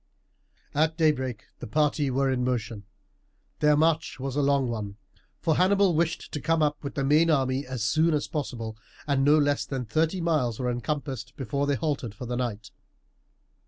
At daybreak the party were in motion. Their march was a long one; for Hannibal wished to come up with the main army as soon as possible, and no less than thirty miles were encompassed before they halted for the night.